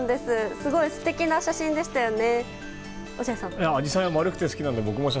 すごい素敵な写真でしたよね。